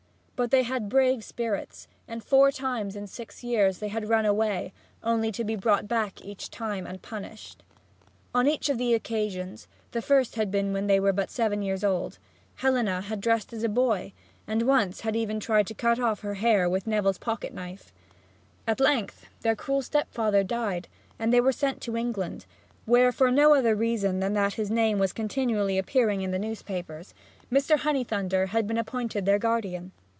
But they had brave spirits, and four times in six years they had run away, only to be brought back each time and punished. On each of these occasions (the first had been when they were but seven years old) Helena had dressed as a boy and once had even tried to cut off her long hair with Neville's pocket knife. At length their cruel stepfather died, and they were sent to England, where for no other reason than that his name was continually appearing in the newspapers, Mr. Honeythunder had been appointed their guardian.